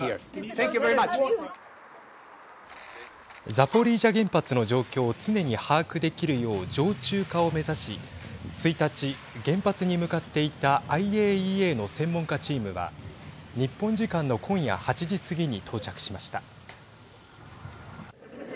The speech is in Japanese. ザポリージャ原発の状況を常に把握できるよう常駐化を目指し１日、原発に向かっていたＩＡＥＡの専門家チームは日本時間の今夜８時過ぎに到着しました。